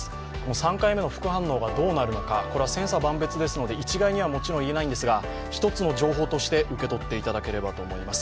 ３回目の副反応がどうなるのか、千差万別ですので一概にはもちろん言えないんですが、一つの情報として、受け取っていただければと思います。